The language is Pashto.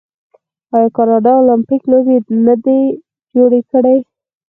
آیا کاناډا المپیک لوبې نه دي جوړې کړي؟